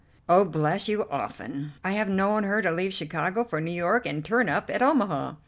"Oh, bless you, often. I have known her to leave Chicago for New York and turn up at Omaha."